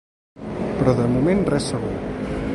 Però de moment res segur.